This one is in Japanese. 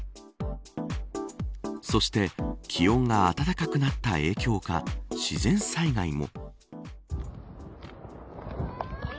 そして気温が暖かくなった影響か自然災害も。